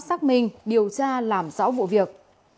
xác minh điều tra làm rõ vụ việc